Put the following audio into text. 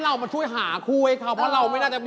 เพราะว่ารายการหาคู่ของเราเป็นรายการแรกนะครับ